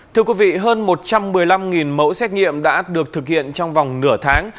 thưa quý vị hơn một trăm một mươi năm mẫu xét nghiệm đã được thực hiện trong vòng nửa tháng